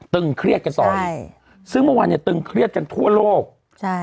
เครียดกันต่อใช่ซึ่งเมื่อวานเนี่ยตึงเครียดกันทั่วโลกใช่